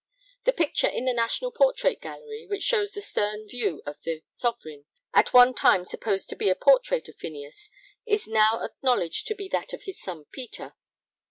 The picture in the National Portrait Gallery, which shows the stern view of the Sovereign, at one time supposed to be a portrait of Phineas, is now acknowledged to be that of his son Peter.